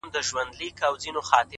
د زغم ځواک شخصیت لوړه وي،